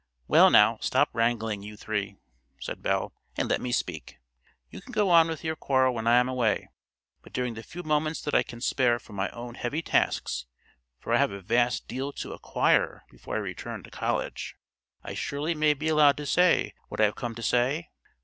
"Well, now, stop wrangling, you three," said Belle, "and let me speak. You can go on with your quarrel when I am away; but during the few moments that I can spare from my own heavy tasks, for I have a vast deal to acquire before I return to college, I surely may be allowed to say what I have come to say?"